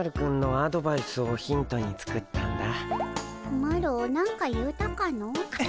マロ何か言うたかの？